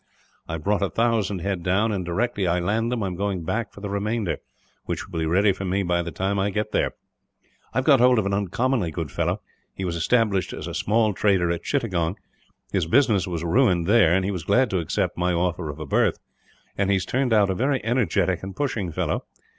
I have brought a thousand head down and, directly I land them, am going back for the remainder; which will be ready for me by the time I get there. "I have got hold of an uncommonly good fellow. He was established as a small trader at Chittagong. His business was ruined there, and he was glad to accept my offer of a berth; and he has turned out a very energetic and pushing fellow.